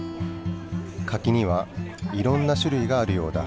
柿にはいろんな種類があるようだ。